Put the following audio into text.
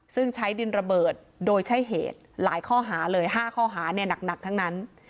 ซึ่งใช้ดินระเบิดโดยใช้เหตุหลายข้อหาเลย๕ข้อหาเนี่ยหนักทั้งนั้น